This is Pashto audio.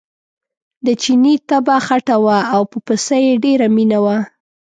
د چیني طبعه خټه وه او په پسه یې ډېره مینه وه.